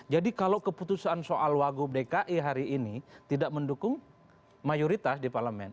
jadi kalau keputusan soal wagub dki hari ini tidak mendukung mayoritas di parlemen